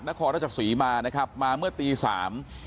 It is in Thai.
นครราชสีมานะครับมาเมื่อตีสาม